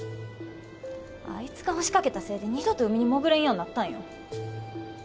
あいつが押し掛けたせいで二度と海に潜れんようになったんよ。